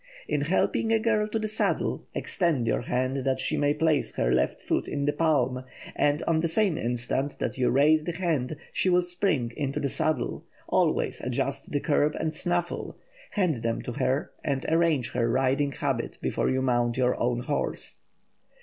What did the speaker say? In helping a girl to the saddle, extend your hand that she may place her left foot in the palm, and on the same instant that you raise the hand she will spring into the saddle; always adjust the curb and snaffle, hand them to her and arrange her riding habit before you mount your own horse.